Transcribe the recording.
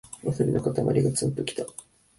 ワサビのかたまりがツンときた